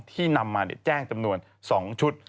ที่นำมาแจ้งจำนวน๒ชุด